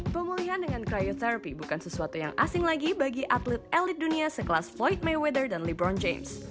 pemulihan dengan cryotherapy bukan sesuatu yang asing lagi bagi atlet elit dunia sekelas floyd mayweather dan lebron james